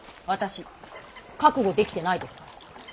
私覚悟できてないですから。